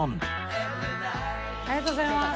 ありがとうございます。